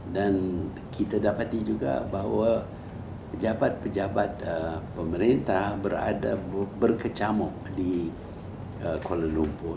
dan kita dapati juga bahwa jabat jabat pemerintah berada berkecamuk di kuala lumpur